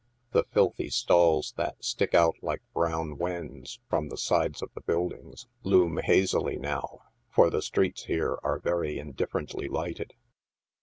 The filthy stalls that stick out like brown wens from the sides of the building loom hazily now, for the streets here are very indifferently lighted.